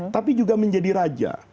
tapi juga menjadi raja